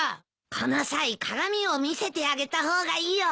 この際鏡を見せてあげた方がいいよ。